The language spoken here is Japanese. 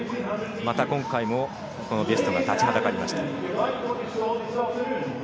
また今回もビュストが立ちはだかりました。